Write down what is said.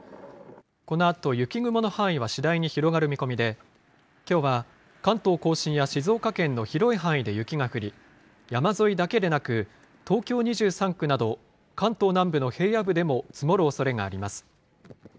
このあと雪雲の範囲は次第に広がる見込みで、きょうは関東甲信や静岡県の広い範囲で雪が降り、山沿いだけでなく、東京２３区など、関東南部の平野部でも積もるおそれがあります。